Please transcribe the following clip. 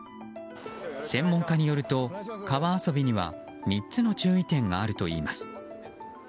専門家によると、川遊びには３つの注意点があるといいます。